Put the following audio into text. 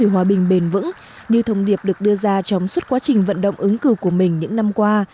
hòa bình bền vững như thông điệp được đưa ra trong suốt quá trình vận động ứng cử của mình những năm qua